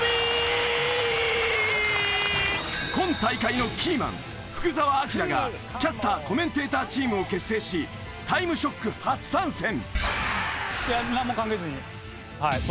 今大会のキーマン福澤朗がキャスター・コメンテーターチームを結成し『タイムショック』初参戦！